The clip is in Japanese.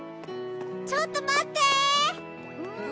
ちょっと待って！